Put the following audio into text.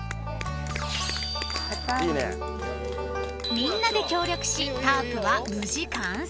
［みんなで協力しタープは無事完成］